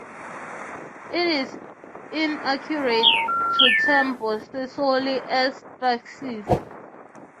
It is inaccurate to term Bose solely as a fascist.